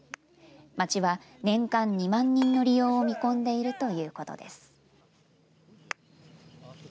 町は年間２万人の利用を見込んでいるということです。